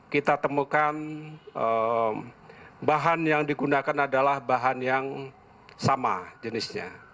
kita temukan bahan yang digunakan adalah bahan yang sama jenisnya